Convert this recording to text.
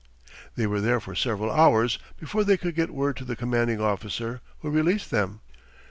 They were there for several hours before they could get word to the commanding officer, who released them.